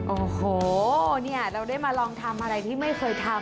โอ้โหเนี่ยเราได้มาลองทำอะไรที่ไม่เคยทำ